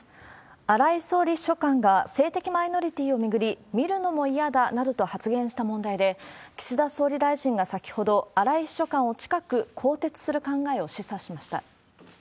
荒井総理秘書官が、性的マイノリティを巡り、見るのも嫌だなどと発言した問題で、岸田総理大臣が先ほど、荒井秘書官を近く更迭する考えを示唆しました。